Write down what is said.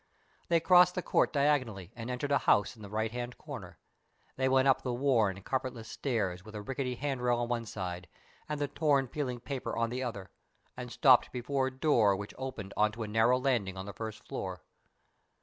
They crossed the court diagonally and entered a house in the right hand corner. They went up the worn, carpetless stairs with a rickety handrail on one side and the torn, peeling paper on the other, and stopped before a door which opened on to a narrow landing on the first floor.